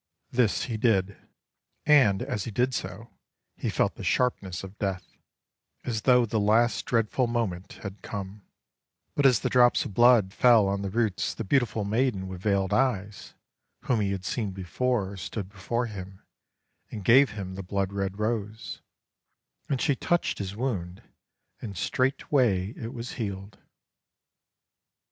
This he did, and as he did so he felt the sharpness of Death, as though the last dreadful moment had come; but as the drops of blood fell on the roots the beautiful maiden with veiled eyes, whom he had seen before stood before him and gave him the blood red rose, and she touched his wound and straightway it was healed.